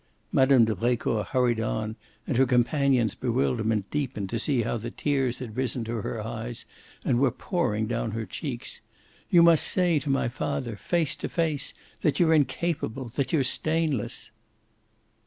Mme. de Brecourt hurried on, and her companion's bewilderment deepened to see how the tears had risen to her eyes and were pouring down her cheeks. "You must say to my father, face to face, that you're incapable that you're stainless."